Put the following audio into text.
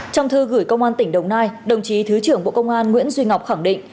trong thư gửi công an tỉnh đồng nai đồng chí thứ trưởng bộ công an nguyễn duy ngọc khẳng định